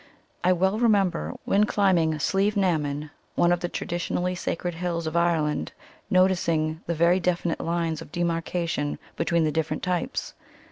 I well remember, when climbing Slieve na mon, one of the traditionally sacred hills of Ireland, noticing the very definite lines of demarcation between the different types.